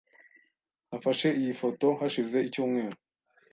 Nafashe iyi foto hashize icyumweru .